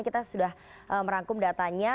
kita sudah merangkum datanya